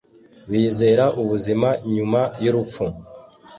Bizera ubuzima nyuma y'urupfu.